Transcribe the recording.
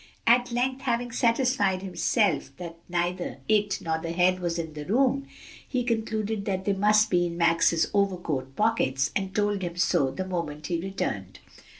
At length, having satisfied himself that neither it nor the hen was in the room, he concluded that they must be in Max's overcoat pockets, and told him so the moment he returned.